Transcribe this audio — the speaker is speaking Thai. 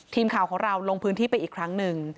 ทีมข่าวของเราลงพื้นที่ไปอีกครั้งหนึ่ง